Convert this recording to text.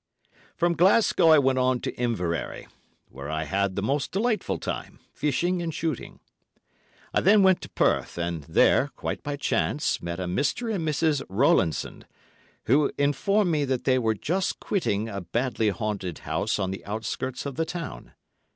From Glasgow I went on to Inverary, where I had the most delightful time, fishing and shooting. I then went to Perth, and there, quite by chance, met a Mr. and Mrs. Rowlandson, who informed me that they were just quitting a badly haunted house on the outskirts of the town.